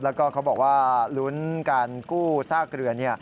แล้วก็เขาบอกว่าลุ้นการกู้ซากเรือ